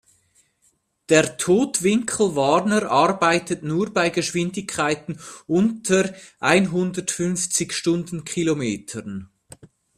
Der Totwinkelwarner arbeitet nur bei Geschwindigkeiten unter einhundertfünfzig Stundenkilometern.